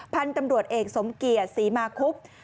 พันธุ์ตำรวจเอกสมเกียรติศรีมาคุบ